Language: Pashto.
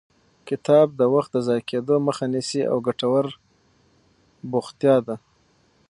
کتاب د وخت د ضایع کېدو مخه نیسي او ګټور بوختیا ده.